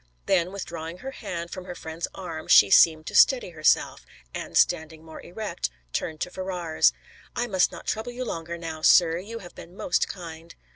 Then, withdrawing her hand from her friend's arm, she seemed to steady herself, and standing more erect, turned to Ferrars. "I must not trouble you longer, now, sir. You have been most kind."